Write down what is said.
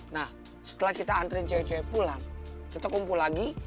nah setelah kita antrian cewek cewek pulang kita kumpul lagi